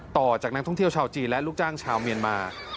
ต่อจากนักท่องเที่ยวชาวจีนและลูกจ้างชาวเมียนมา